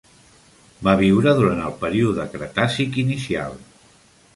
Va viure durant el període cretàcic inicial.